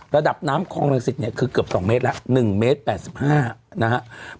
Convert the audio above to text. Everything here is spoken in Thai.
ระดับน้ำคลองรังสิตเนี่ยคือเกือบ๒เมตรแล้ว๑เมตร๘๕นะครับ